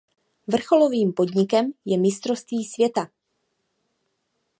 Vrcholovým podnikem je mistrovství světa.